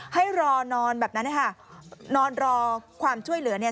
ให้รอนอนแบบนั้นนะคะนอนรอความช่วยเหลือเนี่ย